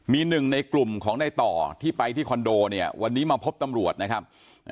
มีหนึ่งในกลุ่มของในต่อที่ไปที่คอนโดเนี่ยวันนี้มาพบตำรวจนะครับ